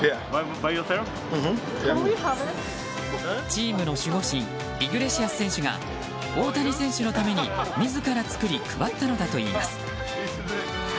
チームの守護神イグレシアス選手が大谷選手のために自ら作り配ったのだといいます。